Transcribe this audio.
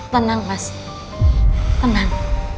tenang mas tenang